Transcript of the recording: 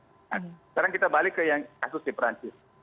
sekarang kita balik ke yang kasus di perancis